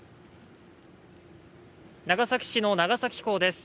長崎市の長崎港です。